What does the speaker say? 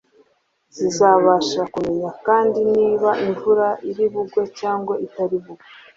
zizabasha kumenya kandi niba imvura iri bugwe cyangwa itari bugwe